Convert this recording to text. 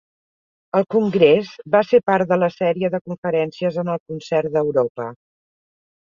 El congrés va ser part de la sèrie de conferències en el Concert d'Europa.